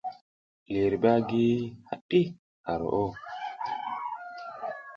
Liriɓ a gi haɗi ar roʼo.